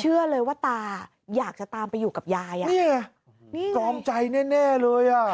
เชื่อเลยว่าตาอยากจะตามไปอยู่กับยายอ่ะนี่ไงนี่ตรอมใจแน่เลยอ่ะ